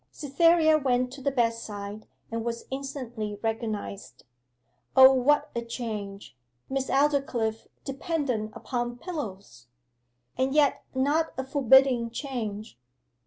Cytherea went to the bedside, and was instantly recognized. O, what a change Miss Aldclyffe dependent upon pillows! And yet not a forbidding change.